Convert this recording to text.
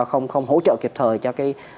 hỗ trợ kịp thời cho cái